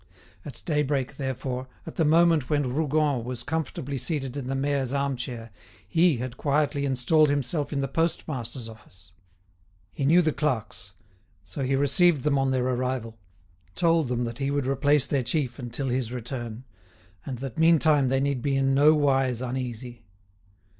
At daybreak, therefore, at the moment when Rougon was comfortably seated in the mayor's arm chair, he had quietly installed himself in the postmaster's office. He knew the clerks; so he received them on their arrival, told them that he would replace their chief until his return, and that meantime they need be in nowise uneasy.